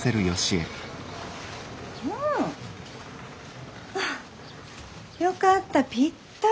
うん！あよかったぴったり！